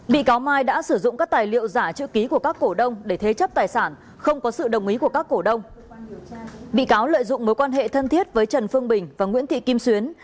bị cáo lợi dụng mối quan hệ thân thiết với trần phương bình và nguyễn thị kim xuyến